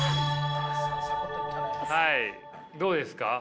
はいどうですか？